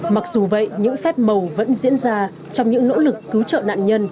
mặc dù vậy những phép màu vẫn diễn ra trong những nỗ lực cứu trợ nạn nhân